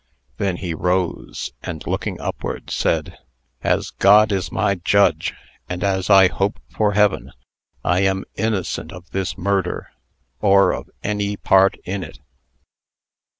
Then he rose, and, looking upward said: "As God is my judge, and as I hope for heaven, I am innocent of this murder, or of any part in it."